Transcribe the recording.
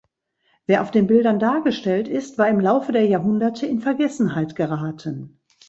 Wer auf den Bildern dargestellt ist, war im Laufe der Jahrhunderte in Vergessenheit geraten.